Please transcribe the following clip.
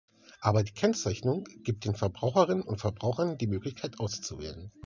Aber die Kennzeichnung gibt den Verbraucherinnen und Verbrauchern die Möglichkeit auszuwählen.